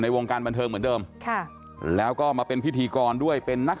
วงการบันเทิงเหมือนเดิมค่ะแล้วก็มาเป็นพิธีกรด้วยเป็นนัก